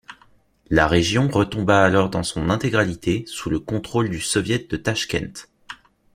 La région retomba alors dans son intégralité sous le contrôle du soviet de Tachkent.